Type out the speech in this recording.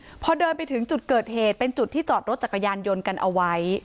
พอเดินไปถึงจุดเกิดเหตุเป็นจุดที่จอดรถจักรยานยนต์กันเอาไว้